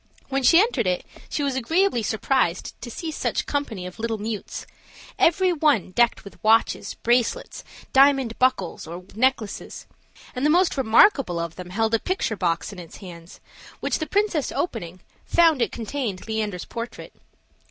When she entered it, she was agreeably surprised to see such company of little mutes, every one decked with watches bracelets, diamond buckles, or necklaces; and the most remarkable of them held a picture box in its hand, which the princess opening, found it contained Leander's portrait.